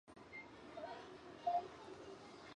阿诺河圣雅各伯堂是意大利佛罗伦萨一个教堂。